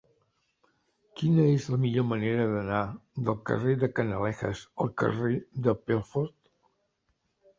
Quina és la millor manera d'anar del carrer de Canalejas al carrer de Pelfort?